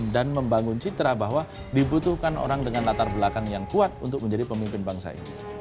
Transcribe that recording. dan membangun citra bahwa dibutuhkan orang dengan latar belakang yang kuat untuk menjadi pemimpin bangsa ini